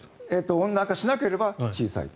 温暖化しなければ小さいと。